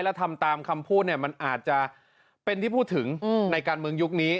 และทำตามคำพูดเนี่ยมันอาจจะเป็นที่พูดถึงในการเมืองยุคนี้